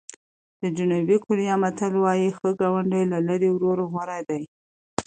د جنوبي کوریا متل وایي ښه ګاونډی له لرې ورور غوره دی.